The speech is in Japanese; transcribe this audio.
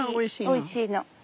おいしいの。